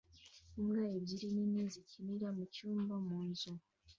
Imbwa ebyiri nini zikinira mucyumba munzu